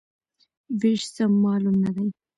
وېش سم معلوم نه دی.